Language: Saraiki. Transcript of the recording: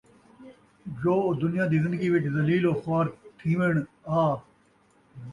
جو او دُنیا دِی زندگی وِچ ذلیل و خوار تِھیوݨ ، اَ